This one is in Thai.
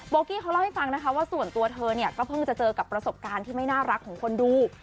กี้เขาเล่าให้ฟังนะคะว่าส่วนตัวเธอเนี่ยก็เพิ่งจะเจอกับประสบการณ์ที่ไม่น่ารักของคนดู